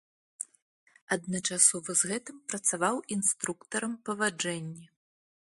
Адначасова з гэтым працаваў інструктарам па ваджэнні.